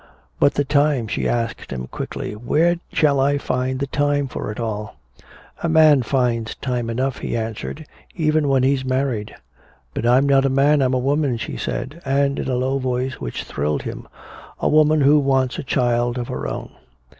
"But the time," she asked him quickly. "Where shall I find the time for it all?" "A man finds time enough," he answered, "even when he's married." "But I'm not a man, I'm a woman," she said. And in a low voice which thrilled him, "A woman who wants a child of her own!"